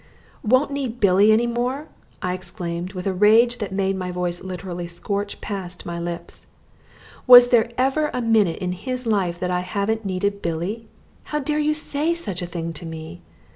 "Won't need Billy any more!" I exclaimed with a rage that made my voice literally scorch past my lips. "Was there ever a minute in his life that I haven't needed Billy? How dare you say such a thing to me?